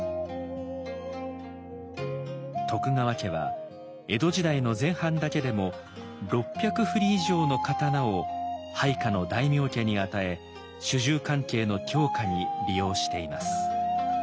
徳川家は江戸時代の前半だけでも６００振り以上の刀を配下の大名家に与え主従関係の強化に利用しています。